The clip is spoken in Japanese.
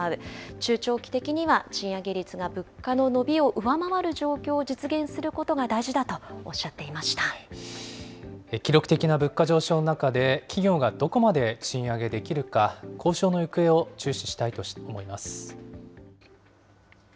中長期的には賃上げ率が物価の伸びを上回る状況を実現することが記録的な物価上昇の中で、企業がどこまで賃上げできるか、交渉の行方を注視したいと思います。